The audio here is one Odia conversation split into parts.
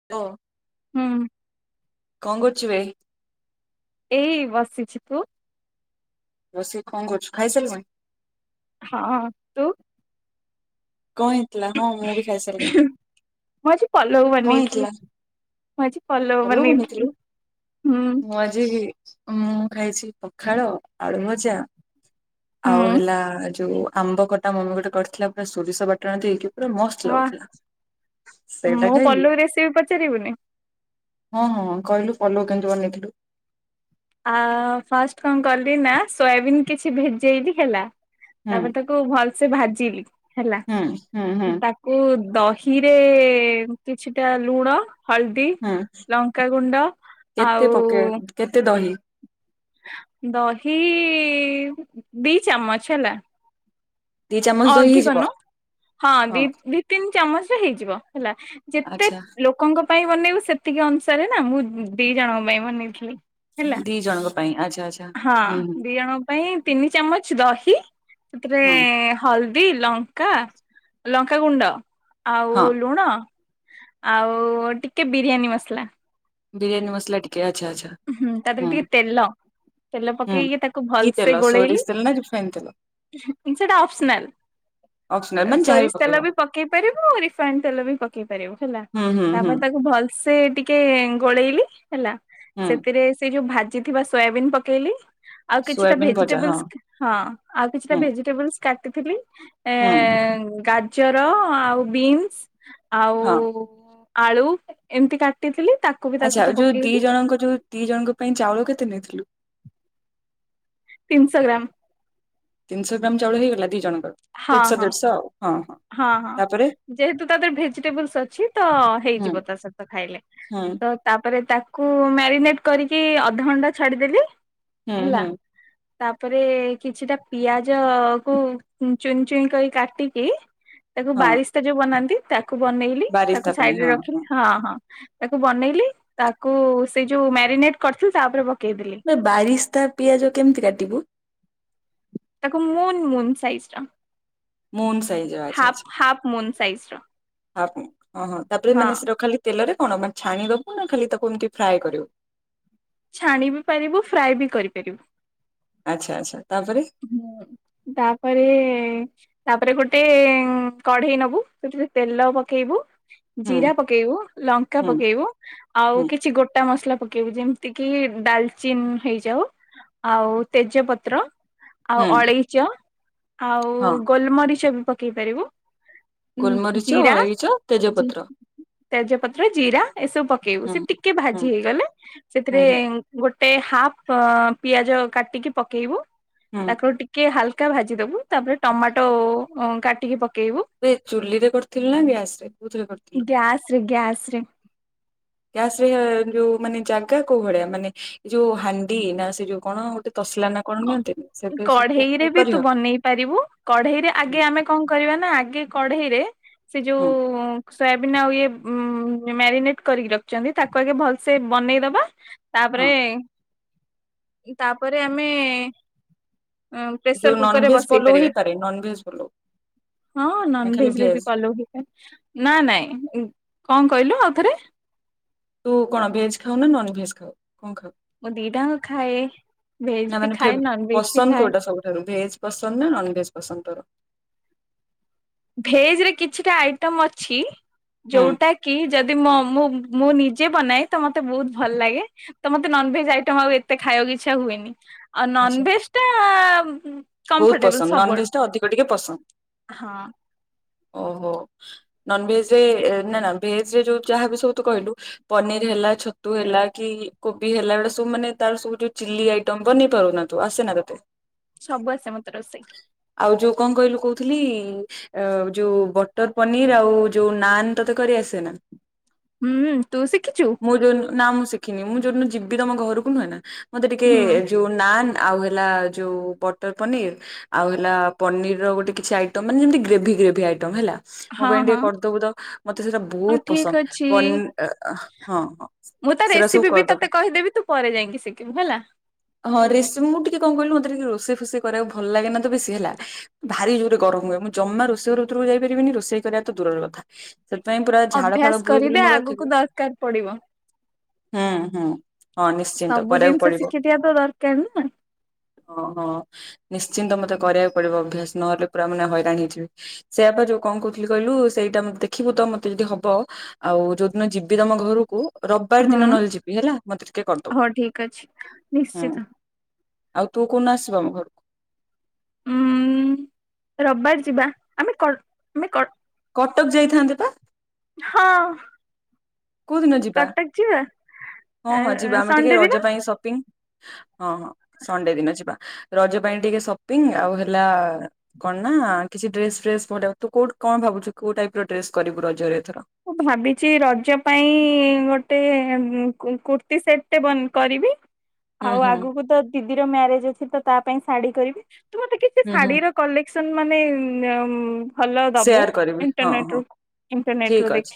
[unintelligible] ହୁଁ। କଣ କରୁଚୁ ବେ। ଏଇ ବସିଚି ତୁ। ରୋଷେଇ କଣ କରୁଚୁ ଖାଇସାରିଲୁଣି। ହଁ ତୁ। କଣ ହେଇଥିଲା ହଁ ମୁଁ ବି ଖାଇ ସାରିଲି। ମୁଁ ଆଜି ପଲଉ ବନେଇଥିଲି। ମୁଁ ଆଜି ପଲଉ ବନେଇଥିଲି ହୁଁ। ମୁଁ ଆଜି ମୁଁ ଖାଇଚି ପଖାଳ ଆଳୁ ଭଜା ଆଉ ହୁଁ ହେଲା ଯୋଉ ଆମ୍ବ କଟା ମମି ଗୋଟେ କରିଥିଲା ପୁରା ସୋରିଷ ବାଟଣ ଦେଇକି ପୁରା ମସ୍ତ ଲାଗୁଥିଲା ସେଇଟା ମୁଁ ଖାଇଲି ପଲଉ ରେସିପି ପଚାରିବୁନି। ହଁ ହଁ କହିଲୁ ପୋଲଉ କେମିତି ବନେଇଥିଲୁ। ଆ ଫାଷ୍ଟ କଣ କଲି ନା ସୋୟାବିନ୍ କିଛି ଭେଜେଇଲି ହେଲା ହୁଁ ତାପରେ ତ କୁ ଭଲସେ ଭାଜିଲି ହେଲା ହୁଁ ହୁଁ ହୁଁ ତାକୁ। କୁ ଦହିରେ କିଛିଟା ଲୁଣ ହଳ ଦି ହୁଁ ଲଙ୍କାଗୁଣ୍ଡ କେତେ ଆଉ। ପକେଇ କେତେ ଦହି? ଦହି ଦି ଚାମଚ ହେଲା। ଦି ଚାମଚ ଦହି ଅଧିକ ହେଇଯିବ? ନୁହଁ ହଁ ଦି ଦି। ତିନି ଚାମଚରେ ହେଇଯିବ ହେଲା ଯେତେ ଆଚ୍ଛା ଲୋକ ଲୋକଙ୍କ ପାଇଁ ବନେଇବୁ ସେତିକି ଅନୁସାରେ ନା ମୁଁ ଦି ଜଣଙ୍କ ପାଇଁ ବନେଇଥିଲି। ହେଲା। ଦି ଜଣଙ୍କ ପାଇଁ ଆଚ୍ଛା ଆଚ୍ଛା। ହଁ ହୁଁ ହୁଁ ଦି ଜଣଙ୍କ ପାଇଁ ତିନି ଚାମଚ ଦହି ସେଥିରେ ହୁଁ ହଳଦୀ ଲଙ୍କା ଲଙ୍କାଗୁଣ୍ଡ ହଁ ଆଉ ଲୁଣ। ଆଉ ଟିକେ ବିରିୟାନୀ ମସଲା। ବିରିୟାନୀ ମସଲା ଟିକେ ଆଛା ଆଛା। ହୁଁ ତା ଦେହରେ ଟିକେ ତେଲ। ତେଲ ହୁଁ ପକେଇକି ତାକୁ କି ଭଲସେ ତେଲ ସୋରିଷ ଗୋଳେଇଲି ତେଲ ନା ରିଫାଇନ ତେଲ ସେଟା ଅପସନାଲ। ଅପସନାଲ ମାନେ ଯାହାବି ସୋରିଷ ତେଲ ପକେଇବ। ବି ପକେଇ ପାରିବୁ ଆ ରିଫାଇଣ୍ଡ ତେଲ ବି ପକେଇ ପାରିବୁ ହେଲା ହୁଁ ହୁଁ ହୁଁ ତାପରେ ତାକୁ ଭଲ ସେ ଟିକେ ଗୋଳେଇଲି ହେଲା ହୁଁ ସେଥିରେ ସେ ଯୋଉ ଭାଜିଥିବା ସୋୟାବିନ୍ ପକେଇଲି। ଆଉ କିଛିଟା ସୋୟାବିନ୍ ଭଜା ହଁ ଭେଜିଟେବଲସ ହଁ ଆଉ କିଛିଟା ହୁଁ ଭେଜିଟେବଲସ କାଟିଥିଲି। ଏ ହୁଁ ଗାଜର ଆଉ ବିନ୍ସ ଆଉ ହଁ। ଆଳୁ ଏମିତି କାଟିଥିଲି ତାକୁ ବି ତା ଆଚ୍ଛା ସହିତ ଯୋଉ ଦି ପକେଇଲି ଜଣଙ୍କ ଯୋଉ ଦି ଜଣଙ୍କ ପାଇଁ ଚାଉଳ କେତେ ନେଇଥିଲୁ? ତିନିଶହ ଗ୍ରାମ। ତିନିଶହ ଗ୍ରାମ ଚାଉଳ ହେଇଗଲା ଦି ଜଣଙ୍କର ହଁ ଦେଢଶହ ହଁ ଦେଢଶହ ଆଉ ହଁ ହଁ। ହଁ ହଁ ତାପରେ ଯେହେତୁ ତା ଦେହରେ ଭେଜିଟେବୁଲସ ଅଛି ତ ହୁଁ ହେଇଯିବ ତା ସହିତ ଖାଇଲେ। ହୁଁ ତାପରେ ତାକୁ ମ୍ୟାରିନେଟ କରିକି ଅଧଘଣ୍ଟା ଛାଡିଦେଲି ହୁଁ ହେଲା। ହୁଁ ତାପରେ କିଛିଟା ପିଆଜକୁ ଚୁନ୍ ଚୁନ୍ କରି କାଟିକି। ତାକୁ ହଁ ବାରିସ୍ତା ଯୋଉ ବନାନ୍ତି ତାକୁ ବନେଇଲି ବାରିସ୍ତା ତାକୁ ପାଇଁ ସାଇଡ ରେ ହଁ ରଖିଲି ହଁ ହଁ। ତାକୁ ବନେଇଲି ତାକୁ ସେ ଯୋଉ ମ୍ୟାରିନେଟ କରିଥିଲି ତା ଉପରେ ପକେଇଦଲି। ବାରିସ୍ଥା ପିଆଜ କେମିତି କାଟିବୁ। ତାକୁ ମୁନ୍ ମୁନ୍ ସାଇଜର ମୁନ୍ ସାଇଜ ଆଚ୍ଛା ଆଚ୍ଛା ହାପ ହାପ ମୁନ୍ ସାଇଜ ର। ହଁ ହଁ ତାପରେ ମାନେ ସେଟାକୁ ଖାଲି ତେଲରେ କଣ ମାନେ ଛାଣିଦବୁ ନା ଖାଲି ତାକୁ ଏମତି ଫ୍ରାଏ କରିବୁ। ଛାଣି ବି ପାରିବୁ ଫ୍ରାଏ ବି କରିପାରିବୁ। ଆଚ୍ଛା ଆଚ୍ଛା ତାପରେ? ତାପରେ ତାପରେ ଗୋଟେ କଢେଇ ନବୁ ସେଥିରେ ତେଲ ପକେଇବୁ। ହୁଁ ଜିରା ପକେଇବୁ ଲଙ୍କା ହୁଁ ପକେଇବୁ। ଆଉ ହୁଁ କିଛି ଗୋଟା ମସଲା ପକେଇବୁ ଯେମିତି କିି ଡାଲଚିନ୍ ହେଇଯାଉ। ଆଉ ତେଜପତ୍ର। ଆଉ ହୁଁ ଅଳେଇଚ ଆଉ ହଁ ଗୋଲମରିଚ ବି ପକେଇ ପାରିବୁ। ହୁଁ ଗୋଲମରିଚ ଜିର ଅଳେଇଚ ଜି। ତେଜପତ୍ର ତେଜ ପତ୍ର ଜିରା ଏସବୁ ପକେଇବୁ ହୁଁ ସେ ଟିକେ ହୁଁ ଭାଜି ହେଇଗଲେ ହୁଁ ସେଥିରେ ହୁଁ ଗୋଟେ ହାଫ୍ ପିଆଜ କାଟିକି ପକେଇବୁ। ହୁଁ ତାକୁଟିକେ ହାଲକା ଭାଜିଦବୁ ତାପରେ ଟମାଟୋ କାଟିକି ପକେଇବୁ। ବେ ଚୁଲିରେ କରିଥିଲି ନା ଗ୍ୟାସ୍ ରେ କଉଥିରେ କରିଥିଲି? ଗ୍ୟାସ୍ ରେ ଗ୍ୟାସ୍ ରେ। ଗ୍ୟାସ ରେ ଯୋଉ ମାନେ ଜାଗା କୋଉ ଭଳିଆ ମାନେ ଯୋଉ ହାଣ୍ଡି ନା ସେ ଯୋଉ କଣ ଗୋଟେ ତସଲା ନା କଣ ନିଅନ୍ତିନି ସେଥିରେ ସବୁ କଢ଼େଇ ରେ ବି କରିହ ତୁ ବନେଇ ପାରିବୁ। କଢ଼େଇରେ ହୁଁ ଆଗେ ଆମେ କଣ କରିବା ନା ଆଗେ କଢ଼େଇରେ ସେ ଯୋଉ। ହୁଁ ସୋୟାବିିନ ଆଉ ଇଏ ମ୍ୟାରିନେଟ କରିକି ରଖିଛନ୍ତି ତାକୁ ଆଗେ ଭଲସେ ବନେଇଦବା। ତାପରେ ହଁ ତାପରେ ଆମେ। ଯୋଉ ପ୍ରେସର କୁକରରେ ନନଭେଜ ବସେଇ ପଲଉ ପାରିବା। ହେଇପାରେ ନନଭେଜ ପଲଉ ହଁ ନା ନନ୍ ଖାଲି ଭେଜ ରେ ବି କଲଉ ନା ନାଇଁ କଣ କହିଲୁ ଆଉ ଥରେ। ତୁ କଣ ଭେଜ ଖାଉ ନା ନନ ଭେଜ ଖାଉ କଣ ଖାଉ? ମୁଁ ଦିଟାଙ୍କ ଖାଏ ଭେଜ ନା ବି ମାନେ ଖାଏ ନନ ଭେଜ ବି ପସନ୍ଦ ଖାଏ କୋଉଟା ସବୁଠାରୁ ଭେଜ, ପସନ୍ଦ ନା ନନଭେଜ୍ ପସନ୍ଦ କରୁ। ଭେଜରେ କିଛିଟା ଆଇଟମ୍ ଅଛି ହୁଁ ଯୋଉଟା କି ଯଦି ମ ମୁଁ ମୁଁ ନିଜେ ବନାଏ ତ ମତେ ବହୁତ୍ ଭଲ ଲାଗେ। ତ ମତେ ନନଭେଜ ଆଇଟମ୍ ଆଉ ଏତେ ଖାଇବାକୁ ଇଚ୍ଛା ହୁଏନି ଆଉ ଆଚ୍ଛା ଆଚ୍ଛା। ନନଭେଜ ଟା ବହୁତ କମ୍ଫର୍ଟେବଲ ପସନ୍ଦ ସବୁଆଡୁ ନନଭେଜ ଟା ଅଧିକ ଟିକେ ହଁ। ପସନ୍ଦ ଓହୋ। ନନଭେଜ ରେ ନା ନା ଭେଜ ରେ ଯୋଉ ଯାହା ବି ସବୁ ତୁ କହିଲୁ। ପନିର ହେଲା ଛତୁ ହେଲା କି କୋବି ହେଲା ଏସବୁ ମାନେ ତାର ସବୁ ଯୋଉ ଚିଲି ଆଇଟମ ବନେଇ ପାରୁନା? ତୁ ଆସେ ନା ତତେ। ସବୁ ଆସେ ମତେ ରୋଷେଇ। ଆଉ ଯୋଉ କଣ କହିଲୁ କହୁଥିଲି। ଆ ଯୋଉ ବଟର ପନିର ଆଉ ଯୋଉ ନାନ୍ ତତେ କରି ଆସେ ନା? ହୁଁ ତୁ ଶିଖିଛୁ? ମୁଁ ଯଉୁ ନା ମୁଁ ଶିଖିନି ମୁଁ ଯୋଉ ଦିନ ଯିବି ତମ ଘରକୁ ନୁହେଁ ନା ମତେ ଟିକେ ଯୋଉ ନାନ୍ ଆଉ ହେଲା ଯୋଉ ବଟର ପନିର ଆଉ ହେଲା ପନିରର ଗୋଟେ କିଛି ଆଇଟମ୍ ମାନେ ଯେମିତି ଗ୍ରେଭି ଗ୍ରେଭି ଆଇଟମ୍ ହେଲା। ମୋ ହଁ ପାଇଁ ଟିକେ ହଁ। କରିଦେବୁ ତ ମତେ ସେଟା ହଁ ବହୁତ ଠିକ ଅଛି ପସନ୍ଦ ହଁ ହଁ। ମୁଁ ତା ସେଟା ସବୁ ରେସିପି ବି କରିଦବ ତତେ କହିଦେବି ତୁ ପରେ ଯାଇକି ଶିଖିବୁ ହେଲା। ହଁ ରେ ଏସବୁ ମୁଁ ଟିକେ କଣ କହିଲୁ ମତେ ଟିକେ ରୋଷଇ ଫୋଷଇ କରିବାକୁ ଭଲ ଲାଗେ ନା ତ ବେଶୀ ହେଲା। ଭାରି ଜୋରେ ଗରମ ହୁଏ ମୁଁ ଜମା ରୋଷେଇ ଘର ଭିତରକୁ ଯାଇପାରିବିନି ରୋଷେଇ କରିବା ତ ଦୂରର କଥା। ସେଥିପାଇଁ ପୁରା ଝାଳ ଅଭ୍ୟାସ ଫାଳ ବୁହେ କରିଦେ ବୋଲି ମୋର ଆଗକୁ ଅଥିବ ଦରକାର ପଡିବ। ହୁଁ ହୁଁ। ହଁ ନିଶ୍ଚିନ୍ତ ସବୁ କରିବାକୁ ଜିନିଷ ପଡିବ ଶିଖିଥିବା ତ ଦରକାର ନା ହଁ ହଁ। ନିଶ୍ଚିନ୍ତ ମତେ କରିବାକୁ ପଡ଼ିବ ଅଭ୍ୟାସ ନହେଲେ ପୁରା ମାନେ ହଇରାଣ ହେଇଯିବି। ସେଇଆ ବା ଯୋଉ କଣ କହୁଥିଲି କହିଲୁ ସେଇଟା ମତେ ଦେଖିବୁ ତ ମତେ ଯଦି ହବ ଆଉ ଯୋଉଦିନ ଯିବି ତମ ଘରକୁ ରବିବାର ହୁଁ ଦିନ ନହେଲେ ଯିବି ହେଲା ମତେ ଟିକେ କରିଦବୁ ହଉ ଠିକ ଅଛି। ନିଶ୍ଚିତ ହୁଁ। ଆଉ ତୁ କୋଉ ଦିନ ଆସିବୁ ଆମ ଘରକୁ? ଉଁ ରବିବାର ଯିବା ଆମେ କଲ୍ କଲ୍ କଟକ ଯାଇଥାନ୍ତେ ପା? ହଁ। କୋଉ ଦିନ ଯିବା କଟକ ଯିବା। ହଁ ହଁ ଯିବା ଆମେ ଟିକେ ସଣ୍ଡେ ଦିନ ରଜ ପାଇଁ ସପିଙ୍ଗ। ହଁ ହଁ ସଣ୍ଡେ ଦିନ ଯିବା ରଜ ପାଇଁ ଟିକେ ସପିଙ୍ଗ ଆଉ ହେଲା। କଣ ନା କିଛି ଡ୍ରେସ୍ ଫେସ୍ ପ ତୁ କୋଉଠୁ କଣ ଭାବୁଛୁ କୋଉ ଟାଇପ୍ ର ଡ୍ରେସ୍ କରିବୁ ରଜରେ ଏଥରକ। ମୁଁ ଭାବିଛି ରଜ ପାଇଁ ଗୋଟେକୁ କୁ କୁର୍ତି ସେଟଟେ କରିବି। ହୁଁ ଆଉ ହୁଁ ଆଗକୁ ତ ଦିଦିର ମ୍ୟାରେଜ ଅଛି ତ ତା ପାଇଁ ଶାଢୀ କରିବି ତୁ ମତେ କିଛି ହୁଁ ହୁଁ ଶାଢୀ ର। କଲେକ୍ସ ମାନେ ଭଲ ଦବୁ ଇଣ୍ଟର୍ନେଟ ରୁ ଇଣ୍ଟ। ଠିକ ଅଛି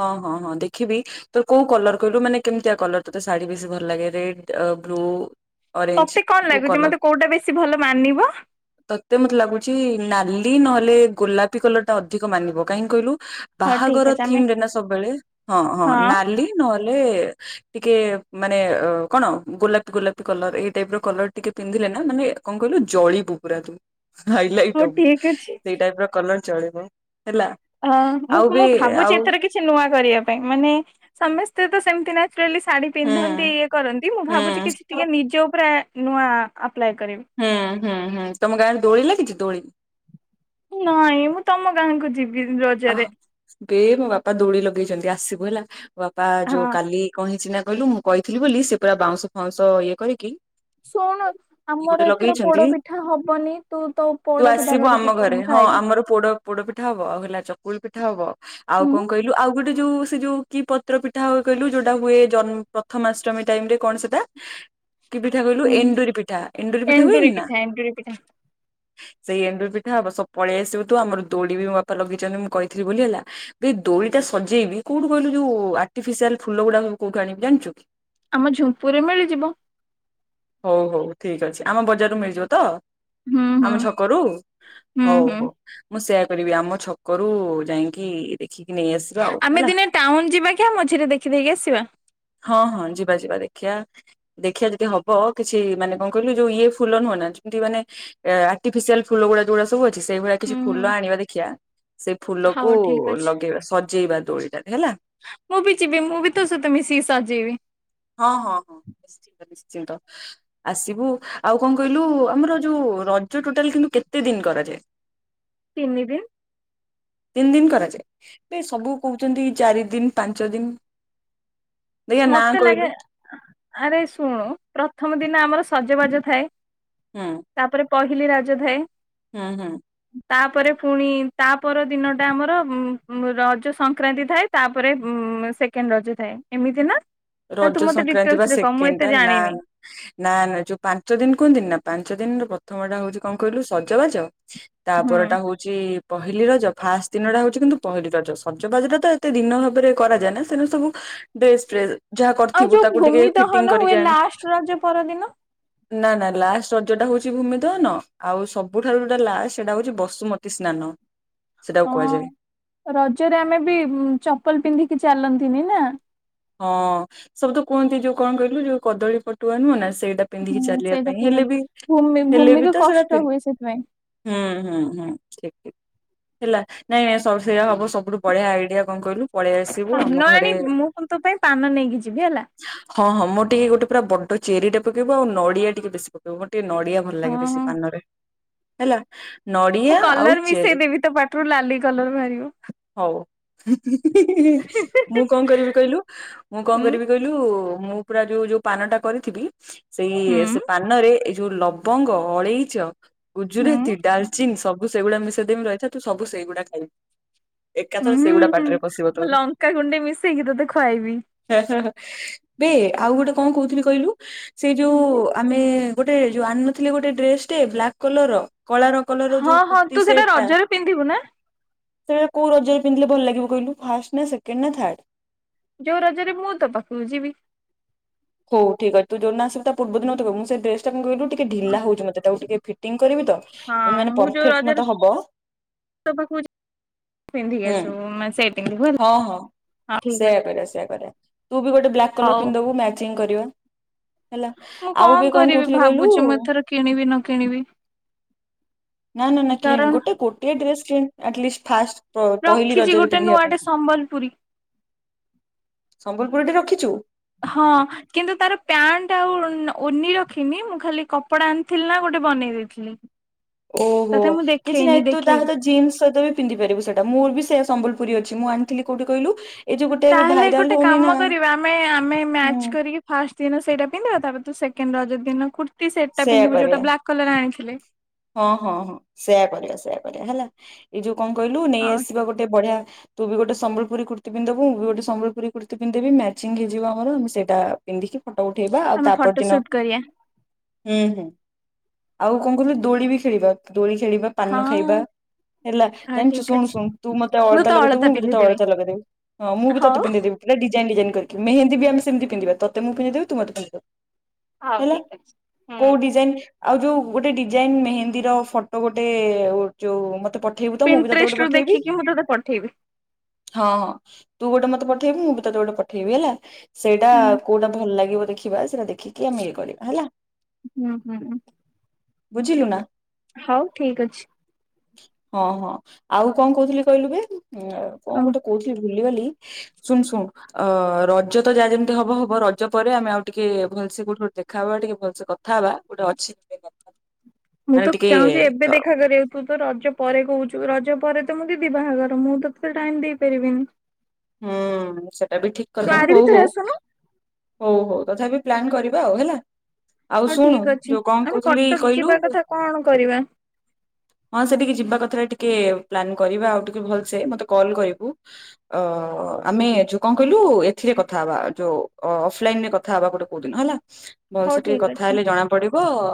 ହଁ ହଁ ହଁ ଦେଖିବି। ତୋର କୋଉ କଲର କହିଲୁ ମାନେ କେମିତିଆ କଲର ତୋତେ ଶାଢୀ ବେଶୀ ଭଲ ଲାଗେ ରେଡ୍ ବ୍ଲୁ। ଅରେଞ୍ଜ ତତେ କଣ କୋଉ ଲାଗୁଛି କଲର ମତେ କୋଉଟା ବେଶୀ ଭଲ ମାନିବ। ତ ମତେ ଲାଗୁଚି ନାଲି ନହେଲେ ଗୋଲାପୀ କଲର ଟା ଅଧିକ ମାନିବ କାହିଁ କହିଲୁ। ହଉ ଠିକ ବାହାଘର ଅଛି ଆମେ ଥିମ ରେ ନା ସବୁବେଳେ ହଁ ହଁ ନାଲି ନହଲେ। ଟିକେ ମାନେ ଅ କଣ ଗୋଲାପି ଗୋଲାପି କଲର ଏଇ ଟାଇପ ର କଲର ଟିକେ। ପିନ୍ଧିଲେ ନା ମାନେ କଣ କହିଲୁ ଜଳିବୁ ପୁରା ତୁ। ହାଇଲାଇଟି ହଉ ହବୁ ଠିକ ଅଛି। ସେଇ ଟାଇପର କଲର ଚଳିବ ହେଲା। ଅ ମୁଁ ଆଉ ବି ମୁଁ ଭାବୁଛି ଆଉ ଏଥେରେ କିଛି। କିଛି ନୂଆ କରିବା ପାଇଁ ମାନେ ସମସ୍ତେ ତ ସେମିତିନାଚୁରାଲି ଶାଢୀ। ହୁଁ ପିନ୍ଧନ୍ତି ଇଏ କରନ୍ତି ମୁଁ ଭାବୁଛି କିଛି ହୁଁ। ଟିକେ ନିଜ ଉପରେ ନୂଆ ଆପ୍ଲାଏ କରିବି। ହୁଁ ହୁଁ ହୁଁ ତମ ଗାଁ ରେ ଦୋଳି ଲାଗିଛି ଦୋଳି। ନାଇଁ ମୁଁ ତମ ଗାଁ କୁ ଯିବି ରଜରେ ଏ ମୋ ବାପା ଦୋଳି ଲଗେଇଛନ୍ତି ଆସିବୁ ହେଲା ମୋ ବାପା ଯୋଉ ହଁ କାଲି କଁ ହେଇଚି ନା କହିଲୁ ମୁଁ କହିଥିଲି ବୋଲି ସେ ପୁରା ବାଉଁଶ ଫାଉଁଶ ଇଏ କରିକି ଶୁଣନ। ଗୋଟେ ଆମର ଏଥର ଲଗେଇଛନ୍ତି ପୋଡପିଠା ହବନି ତୁ ତ ତୁ ପୋଡ ପିଠା ଆସିବୁ ଆମ ଧରିକିଆସିବୁ ତ ଘରେ ମୁଁ ହଁ ଖାଇବି। ଆମର ପୋଡ ପୋଡ ପିଠା ହବ ଆଉ ହେଲା ଚକୁଳି ପିଠା ହବ ଆଉ ହୁଁ କଣ କହିଲୁ ଆଉ ଗୋଟେ ଗୋଟେ ଯୋଉ ସେ ଯୋଉ କି ପତ୍ର ପିଠା ହବ କହିଲୁ ଯୋଉଟା ହୁଏ ଜନ୍ମ ପ୍ରଥମାଷ୍ଟମୀ ଟାଇମ୍ ରେ କଣ ସେଟା କି ପିଠା କହିଲୁ ହୁଁ ଏଣ୍ଡୁରି ପିଠା ଏଣ୍ଡୁରି ପିଠା ହୁଏନି ନା। ସେଇ ଏଣ୍ଡୁରି ପିଠା ହବ ସବ ପଳେଇ ଆସିବୁ ତୁ ଆମର ଦୋଳି ବି ମୋ ବାପା ଲଗେଇଛନ୍ତି ମୁଁ କହିଥିଲି ବୋଲି ହେଲା। ଏଇ ଦୋଳିଟା ସଜେଇନି କୋଉଠୁ କହିଲୁ ଯୋଉ ଆର୍ଟିଫିସିଆଲ ଫୁଲ ଗୁଡାକ କଉଠୁ ଆଣିବି ଜାଣିଛୁ କି। ଆମ ଝୁମ୍ପୁରି ରେ ମିଳିଯିବ। ହଉ ହଉ ଠିକ୍ ଅଛି ଆମ ବଜାରରୁ ମିଳିଯିବ ତ। ହୁଁ ଆମ ହୁଁ ଛକରୁ ହୁଁ ହଉ ହୁଁ ହଉ ମୁଁ ସେୟା କରିବି ଆମ ଛକ କରୁ ଯାଇକିଁ ଦେଖିକିି ନେଇ ଆସିବି। ଆମେ ଦିନେ ଟାଉନ୍ ଯିବା କିଁଆ ମଝିରେ ଦେଖିଦେଇକି ଆସିବା। ହଁ ହଁ ଯିବା ଯିବା ଦେଖିଆ। ଦେଖିବା ଯଦି ହବ କିଛି ମାନେ କଣ କହିଲୁ ଯୋଉ ଇଏ ଫୁଲ ନୁହଁ ନା ଯେମତି ମାନେ ଆର୍ଟିଫିସିଆଲ ଫୁଲ ଗୁଡା ଯୋଡାସବୁ ଅଛି ସେଇ ଭଳିଆ କିଛି ହୁଁ ହୁଁ ଫୁଲ ଆଣିବା ଦେଖିବା ସେ ଫୁଲକୁ ହଉ ଠିକ ଅଛି। ଲଗେଇ ସଜେଇବା ଦୋଳିଟାରେ ହେଲା। ମୁଁ ବି ଯିବି ମୁଁ ବି ତୋ ସହିତ ମିଶିକି ସଜେଇବି। ହଁ ହଁ ହଁ ନିଶ୍ଚିନ୍ତ ନିଶ୍ଚିନ୍ତ। ଆସିବୁ ଆଉ କଣ କହିଲୁ ଆମର ଯୋଉ ରଜ ଟୋଟାଲ କିନ୍ତୁ କେତେ ଦିନ କରାଯାଏ। ତିନିଦିନ। ତିନି ଦିନ କରାଯାଏ ଏ ସବୁ କହୁଛନ୍ତି ଚାରି ଦିନ ପାଞ୍ଚ ଦିନ ଦେଖିଆ ନା ମତେ କହିଲୁ ଲାଗେ ଆରେ ଶୁଣୁ ପ୍ରଥମ ଦିନ ଆମର ସଜବାଜ ଥାଏ। ହୁଁ। ତାପରେ ପହିଲି ରଜ ଥାଏ। ହଁ ହଁ। ତାପରେ ପୁଣି ତାପର ଦିନ ଟା ଆମର ଉ ରଜ ସଂକ୍ରାନ୍ତି ଥାଏ। ତାପରେ ଉଁ ସେକେଣ୍ଡ ରଜ ଥାଏ ଏମିତି ନା। ନା ରଜ ତୁ ମତେ ସଂକ୍ରାନ୍ତି ବା ଡିଟେଲସ ରେ କହ, ମୁଁ ସେକେଣ୍ଡ ଟା ଏତେ ଜାଣିନି। [inaudible] ନା ନା ଯୋଉ ପାଞ୍ଚ ଦିନ କୁହନ୍ତିିନି ନା। ପାଞ୍ଚ ଦିନର ପ୍ରଥମ ଟା ହଉଛି କଣ କହିଲୁ ସଜବାଜ ହୁଁ। ତାପର ଟା ହଉ ଛି ପହିଲି ରଜ। ଫାଷ୍ଟ ଦିନ ଟା ହଉଛି କିନ୍ତୁ ପହିଲି ରଜ। ସଜବାଜଟା ତ ଏତେ ଦିନ ଭାବରେ କରାଯାଏ ନା ତେନୁ ସବୁ ଡ୍ରେସ ଫ୍ରେସ୍ ଯାହା ଆଉ କରିଥିବୁ ଯୋଉ ତାକୁ ଟିକେ ଭୂମି ଦହନ ଫିଟିଙ୍ଗ ହୁଏ କରିକି ଆଣି ଲାଷ୍ଟ ରଜ ପରଦିନ ନା ନା ଲାଷ୍ଟ ରଜଟା ହଉଛି ଭୂମି ଦହନ। ଆଉ ସବୁଠାରୁ ଯୋଟା ଲାଷ୍ଟ ସେଟା ହଉଛି ବସୁମତୀ ତୀ ସ୍ନାନ ସେଟାକୁ କୁହାଯାଏ। ହଁ ରଜରେ ଆମେ ବି ଚପଲ ପିନ୍ଧିକି ଚାଲନ୍ତିନି ନା। ହଁ। ସବୁ ତ କୁହନ୍ତି ଯୋଉ କଣ କହିଲୁ ଯୋଉ କଦଳୀ ପଟୁଆ ନୁହଁ ନା। ସେଇଟା ପିନ୍ଧିକି ହୁଁ ଚାଲିବା ସେଇଟା ପାଇଁ, ପିନ୍ଧ ହେଲେ ବି ଭୂମି ହେଲେ ବି ଭୂମିକୁ ତ ସେଟା କଷ୍ଟ ହୁଏ ସେଥିପାଇଁ ହୁଁ ହୁଁ ହୁଁ। ଠିକ ଠିକ। ହେଲା ନାଇଁ ନାଇଁ ସ ସେଇୟା ହବ ସବୁଠୁ ବଢେଆ ଆଇଡିଆ କଣ କହିଲୁ? ପଳେଇ ଆସିବୁ। ପାନ ଆମ ଆଣି ଘରେ ମୁଁ ତୋ ପାଇଁ ପାନ ନେଇକି ଯିବି ହେଲା। ହଁ ହଁ ମୋର ଟିକେ ଗୋଟେ ପୁରା ବଡ ଚେରି ଟେ ପକେଇବୁ ଆଉ ନଡିଆ ଟିକେ ବେଶୀ ପକେଇବୁ। ମୋର ଟିକେ ନଡିଆ ଭଲ ଲାଗେ ବେଶୀ ହଁ ପାନରେ। ହେଲା ମୁଁ ନଡ଼ିଆ ଆଉ କଲର ମିଶେଇ ଚେରି। ଦେବି ତୋ ପାଟିରୁ ଲାଲି କଲର ବାହାରିବ। ହଉ। [unintelligible] ମୁଁ କଣ କରିବି? କଇଲୁ। ମୁଁ କଣ ଉଁ କରିବି କଇଲୁ? ମୁଁ ପୁରା ଯୋଉଁ ଯୋଉଁ ପାନଟା କରିଥିବି ସେଇ ହୁଁ ସେ ପାନରେ ଏଇ ଯୋଉ ଲବଙ୍ଗ, ଅଳେଇଚ, ହୁଁ ଗୁଜୁରାତି, ଡାଲ ସବୁ ସେଗୁଡା ମିଶେଇ ଙ୍ଗ୍ ରହିଥା ତୁ ସବୁ ସେଗୁଡା ଖାଇବୁ। ଏକାଥରେ ସେଇଗୁଡା ପାଟିରେ ପଶିବ ତୋର। କା କୁଣ୍ଡେ ମିଶେଇକି ତେତେ ଖୁଆଇବି। ଏଆ ହଁ ହଁ ବେ ଆଉ ଗୋଟେ କଣ କହୁଥିଲି କହିଲୁ? ସେଇ ଯୋଉଁ ଆମେ ଗୋଟେ ଯୋଉ ଆଣୁନଥିଲେ ଗୋଟେ ଡ୍ରେସ ଟେ ବ୍ଲାକ୍ କଲର ର। କଳାର କଲରର ହଁ ଯେଉଁ ହଁ ତୁ କୁର୍ତ୍ତୀ ସେଟା ସେଟ୍ ଟା। ରଜରେ ପିନ୍ଧିବୁ ନା ସେଏ କୋଉ ରଜରେ ପିନ୍ଧିଲେ ଭଲ ଲାଗିବ କହିଲୁ? ଫାର୍ଷ୍ଟ ନା ସେକେଣ୍ଡ ନା ଥାର୍ଡ। ଯୋଉ ରଜରେ ମୁଁ ତେ ପାଖୁକୁ ଯିବି। ହଉ ଠିକ୍ ଅଛି ଯଉଦିନ ଆସିବୁ ତେ ପୂର୍ବଦିନ ମତେ କହିବୁ। ମୁଁ ଡ୍ରସ୍ ଟା କିନ୍ତୁ ଟିକ ଢିଲା ହଉଛି ମତେ, ତାକୁ ଟିକେ ଫିଟ୍ ଇଙ୍ଗ୍ କରିବ ତ। ହଁ ମାନେ ମୁଁ ଯୋଉ ପରଫେକ୍ଟ ରଜରେ ମତେ ହବ। ତୋ ପାଖକୁ ଯିବି ପିନ୍ଧିକି ହୁଁ। ଆସିବୁ ମାନେ ସେଇ ପିନ୍ଧିବୁ ହେଲା। ହଁ ହଁ। ହଁ ଠିକ ସେହିୟା ଅଛି କରିବା। ସେହିୟା କରିବା। ତୁ ବି ଗୋଟେ ବ୍ଲାକ୍ କଲର ହଉ ପିନ୍ଧିଦେବୁ, ମେଚ୍ ଙ୍ଗ୍ କରିବା। ହେଲା। ଆଉ ମୁଁ କଣ କରିବି କହୁଥିଲି କହିଲୁ? ଭାବୁଛି ମୁଁ ଏଥର କିଣିବି ନ କିଣିବି। ନା ନା ନା କିଣି। କାରଣ ଗୋଟେ ଗୋଟିଏ ଡ୍ରେସ କିଣ୍। ଅଟ୍ ଲିଷ୍ଟ୍ ଫାସଟ୍ ପ ପହିଲି ରଖିଛି ରଜରେ ଗୋଟେ ପିନ୍ଧିବା ପାଇଁ। ନୂଆଟେ ସମ୍ବଲପୁରୀ ସମ୍ବଲପୁରୀ ଟି ରଖିଛୁ। ହଁ। କିନ୍ତୁ ତାର ପ୍ୟାଣ୍ଟ ଆଉ ଓରନି ରଖିନି। ମୁଁ ଖାଲି କପଡା ଆଣିଥିଲି ନା ଗୋଟେ ବନେଇ ଦେଇଥିଲି। ଓହୋ। ତତେ ମୁଁ କିଛି ନାଇଁ, ଦେଖେଇନି ତୁ ତା ଦେଖେଇବି। ସହିତ ଜିନ୍ସ ସହିତ ବି ପିନ୍ଧି ପାରିବୁ ସେଇଟା। ମୋର ବି ସେ ସମ୍ବଲପୁରୀ ଅଛି। ମୁଁ ଆଣିଥିଲି କୋଉଠି କହିଲୁ? ଏଇ ଯୋଉ ଗୋଟେ ଏବେ ତାହା ହେଲେ ଭାଇରାଲ ଗୋଟେ ହଉନି ନା କାମ କରିବା। ଆମେ ଆମେ ହୁଁ ମ୍ୟାଚ୍ କରିକି ଫାଷ୍ଟ ଦିନ ସେଇଟା ପିନ୍ଧିବା ତାପରେ ତୁ ସେକେଣ୍ଡ ରଜ ଦିନ କୁର୍ତୀ ସେଟା ସେୟା ପିନ୍ଧିବୁ ଯୋଉଟା କରିବା ବ୍ଲାକ୍ କଲର ଆଣିଥିଲେ। ହଁ ହଁ ହଁ ସେଇୟା କରିବା ସେଇୟା କରିବା ହେଲା ଏଇ ଯୋଉ କଣ କହିଲୁ ନେଇ ହଁ ଆସିବା ଗୋଟେ ବଢିଆ ତୁ ବି ଗୋଟେ ସମ୍ବଲପୁରୀ କୁର୍ତ୍ତୀ ପିନ୍ଧି ଦବୁ ମୁଁ ବି ଗୋଟେ ସମ୍ବଲପୁରୀ କୁର୍ତ୍ତୀ ପିନ୍ଧି ଦେବି ମ୍ୟାଚିଙ୍ଗ୍ ହେଇଯିବ ଆମର ସେଟା ପିନ୍ଧିକି ଫଟୋ ଉଠେଇବା ଆଉ ଆମେ ତା ଫଟୋ ପର ଦିନ ସୁଟ କରିବା ହୁଁ ହୁଁ ଆଉ କଣ କହିଲୁ ଦୋଳି ବି ଖେଳିବା ଦୋଳି ଖେଳିବା ପାନ ହଁ ଖାଇବା? ହେଲା ହଁ ଜାଣିଛୁ ଠିକ ଶୁଣୁ ଅଛି ଶୁଣ ତୁ ମତେ ମୁଁ ଅଳତା ତ ଲଗେଇ ଦେବୁ ମୁବି ତତେ ପିନ୍ଧିଦେବି ଅଳତା ଲଗେଇଦେବି ହଁ ମୁଁ ବି ତତେ ହଉ। ପିନ୍ଧେଇଦେବି। ପୁରା ଡିଜାଇନ୍ ଡିଜାଇନ୍ କରିକି ମେହେନ୍ଦି ବି ଆମେ ସେମିତି ପିନ୍ଧିବା ତତେ ମୁଁ ପିନ୍ଧେଇ ଦେବି ତୁ ମୋତେ ପିନ୍ଧେଇ ଦେବୁ। ହଉ ହେଲା ଠିକ ଅଛି ହୁଁ। କୋଉ ଡିଜାଇନ୍ ଆଉ ଯୋଉ ଗୋଟେ ଡିଜାଇନ ମେହେନ୍ଦୀ ର ଫଟୋ ଗୋଟେ ଓ ଯୋଉ ମତେ ପଠେ ପଠେଇବୁ ତ ମୁଁ ବି ତତେ ପିଣ୍ଟ୍ରେଷ୍ଟ ଗୋଟେ ରୁ ପଠେଇବି? ଦେଖିକି ମୁଁ ତୋତେ ପଠେଇବି ହଁ ତୁ ଗୋଟେ ମତେ ପଠେଇବୁ ମୁଁ ବି ତତେ ଗୋଟେ ପଠେଇବି ହେଲା। ସେଇଟା ହୁଁ କୋଉଟା ଭଲ ଲାଗିବ ଦେଖିବା ସେଇଟା ଦେଖିକି ଆମେ ଇଏ କରିବା ହେଲା। ଉ ହୁଁ ହୁଁ। ବୁଝିଲୁ ନାଁ? ହଉ ଠିକ୍ ଅଛି। ହଁ ହଁ ଆଉ କଣ କହୁଥିଲୁ କହିଲୁ ବେ ହୁଁ କଣ ଗୋଟେ କହୁଥିଲି ଭୁଲିିଗଲି ଶୁଣୁ ଶୁଣୁ ‌। ଅ ରଜ ତ ଯାହା ଯେମିତି ହବ ହବ ରଜ ପରେ ଆମେ ଆଉ ଟିକେ ଭଲସେ କୋଉଠି ଦେଖା ହବା ଟିକେ ଭଲସେ କଥା ହବା। ଗୋଟେ ଅଛି [unintelligible] ମୁଁ ମାନେ ତ ଟିକେ ଚାହୁଁଛି ଏବେ ତ ଦେଖା କରିବାକୁ? ତୁ ତ ରଜ ପରେ କହୁଛୁ ରଜ ପରେ ତ ମୁଁ ଦିଦି ବାହାଘର ମୁଁ ତ ତତେ ଟାଇମ ଦେଇପାରିବିନି। ହୁଁ ସେଟା ବି ଠିକ ତୁ କଥା ଆରି ହଉ ଭିତରେ ହଉ। ଆସୁନୁ ହଉ ହଉ ତଥାପି ପ୍ଲାନ କରିବା ଆଉ ହେଲା ଆଉ ହଉ ଶୁଣୁ ଠିକ ଅଛି ଯୋଉ କଣ ଆମେ କହୁଥିଲି କଟକ କହିଲୁ? ଯିବା କଥା କଣ କରିବା? ହଁ ସେଠିକି ଯିବା କଥା ଟିକେ ପ୍ଲାନ୍ କରିବା ଆଉ ଟିକେ ଭଲସେ ମତେ କଲ୍ କରିବୁ? ଓ ଆମେ ଯୁ କଣ କହିଲୁ ଏଥିରେ କଥାହବା ଯୋଉ ଅଫ୍ ଅଫଲାଇନରେ କଥା ହେବା ଗୋଟେ କୋଉ ଦିନ ହେଲା। ହଉ ଭଲସେ ଟିକେ ଠିକ କଥା ଅଛି। ହେଲେ ଜଣା ପଡିବ